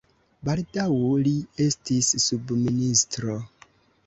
Baldaŭ li estis subministro.